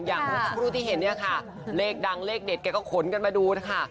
อย่างทุกที่เห็นเนี่ยค่ะเลขดังเลขเด็ดแกก็ขนกันมาดูค่ะ